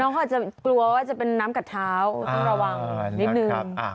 เขาอาจจะกลัวว่าจะเป็นน้ำกัดเท้าต้องระวังนิดนึง